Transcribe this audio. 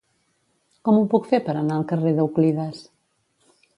Com ho puc fer per anar al carrer d'Euclides?